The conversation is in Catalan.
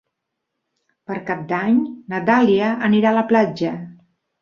Per Cap d'Any na Dàlia anirà a la platja.